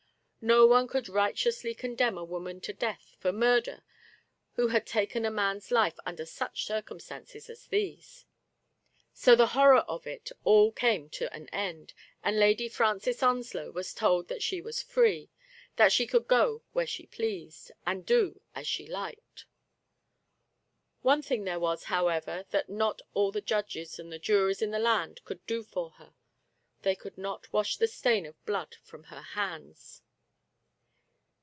No one could righteously condemn a woman to death for murder who had taken a man's life under such circumstances as these. So the horror of it all came to an end, and Lady Francis Onslow was told that she was free ; that she could go where she pleased, and do as she liked. One thing there was, however, that not all the judges and the juries in the land could do for her ; they could not wash the stain of blood from her hands.